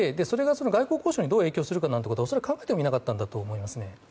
それが、外交交渉にどう影響するかなどは恐らく考えてもいなかったんだと思います。